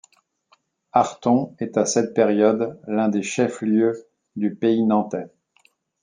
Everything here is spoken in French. Arthon est à cette période l'un des chef-lieux du Pays nantais.